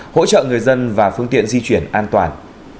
hỗ trợ người dân và phương tiện di chuyển an toàn